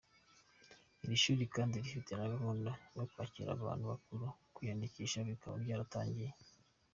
Iri shuli kandi rifite na gahunda yo kwakira abantu bakuru, kwiyandikisha bikaba byaratangiye.